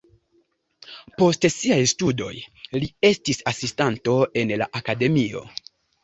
Post siaj studoj li estis asistanto en la akademio.